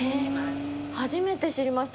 初めて知りました。